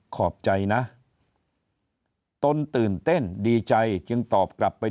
ขอบใจนะตนตื่นเต้นดีใจจึงตอบกลับไป